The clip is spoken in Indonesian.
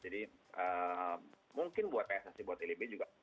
jadi eee mungkin buat pssi buat ilb juga